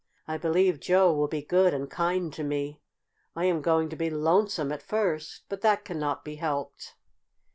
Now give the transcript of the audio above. "I believe Joe will be good and kind to me. I am going to be lonesome at first, but that cannot be helped."